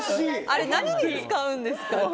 あれ、何に使うんですか？